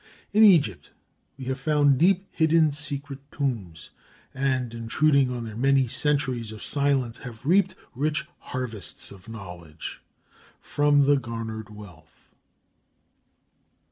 In Egypt we have found deep hidden, secret tombs, and, intruding on their many centuries of silence, have reaped rich harvests of knowledge from the garnered wealth.